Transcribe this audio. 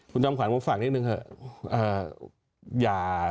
คุณจอมขวัญผมฝากนิดนึงเถอะ